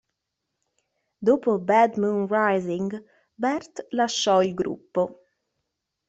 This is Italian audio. Dopo "Bad Moon Rising", Bert lasciò il gruppo.